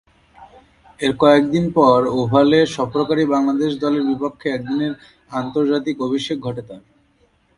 এর কয়েকদিন পর ওভালে সফরকারী বাংলাদেশ দলের বিপক্ষে একদিনের আন্তর্জাতিকে অভিষেক ঘটে তার।